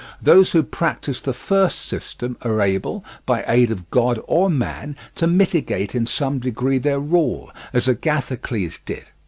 Those who practise the first system are able, by aid of God or man, to mitigate in some degree their rule, as Agathocles did.